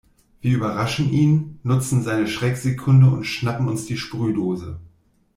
Wir überraschen ihn, nutzen seine Schrecksekunde und schnappen uns die Sprühdose.